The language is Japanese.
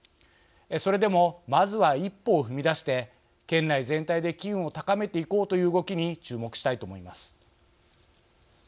それでもまずは一歩を踏み出して県内全体で機運を高めていこうという動きに注目したいと思います。